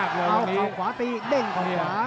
เอาเข่าขวาตีเด้งเขาขวา